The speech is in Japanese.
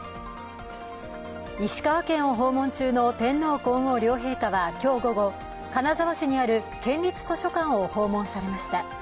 石川県を訪問中の天皇皇后両陛下は今日午後、金沢市にある県立図書館を訪問されました。